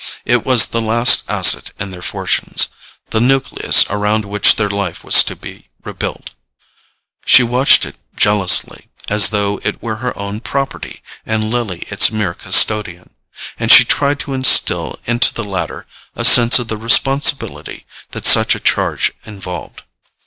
It was the last asset in their fortunes, the nucleus around which their life was to be rebuilt. She watched it jealously, as though it were her own property and Lily its mere custodian; and she tried to instil into the latter a sense of the responsibility that such a charge involved.